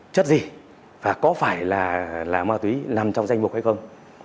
chất gì và có phải là ma túy nằm trong danh mục hay không